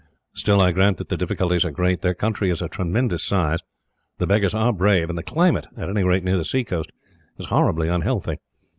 "Still, I grant that the difficulties are great. Their country is a tremendous size, the beggars are brave, and the climate, at any rate near the sea coast, is horribly unhealthy.